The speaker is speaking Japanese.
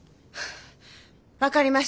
分かりました。